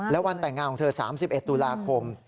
และวันแต่งงานของเธอ๓๑ตุลาคม